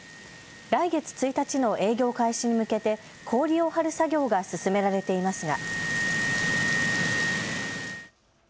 来月１日の営業開始に向けて氷を張る作業が進められていますが。